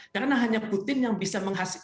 karena hanya putin yang bisa menghentikan krisis rusia